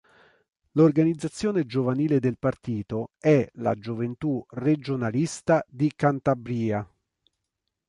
L'organizzazione giovanile del partito è la Gioventù Regionalista di Cantabria.